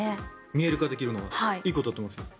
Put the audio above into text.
見える化できるのはいいことだと思いますけど。